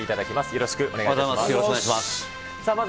よろしくお願いします。